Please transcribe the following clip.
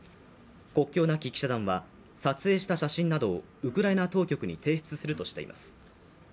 国境なき記者団は撮影した写真などをウクライナ当局に提出するとしています。